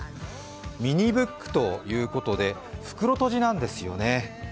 ミニブックということで袋とじなんですよね。